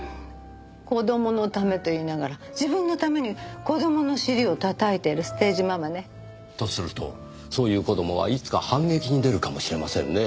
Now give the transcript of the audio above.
子供のためと言いながら自分のために子供の尻を叩いてるステージママね。とするとそういう子供はいつか反撃に出るかもしれませんねぇ。